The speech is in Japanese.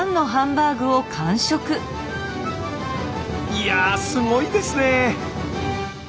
いやすごいですね。